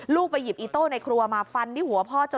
ไปหยิบอีโต้ในครัวมาฟันที่หัวพ่อจน